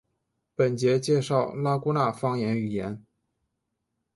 本节介绍拉祜纳方言语音。